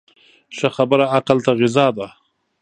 ښه خبره عقل ته غذا ده.